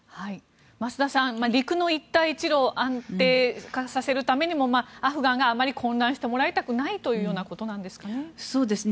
増田さん、陸の一帯一路を安定化させるためにもアフガンがあまり混乱してもらいたくないということなんですかね。